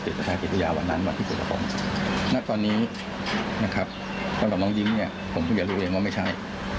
แต่ตอนนี้สำหรับน้องยิ้มผมอย่ารู้เองว่าไม่ใช่